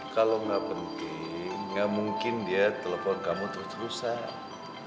kalo gak penting gak mungkin dia telepon kamu terus terusan